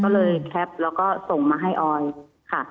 ก็เลยแคปแล้วก็ส่งมาให้ออยค่ะ